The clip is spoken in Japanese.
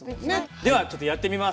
ではちょっとやってみます。